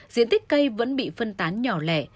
diện tích cây vẫn bị phân tán nhỏ lẻ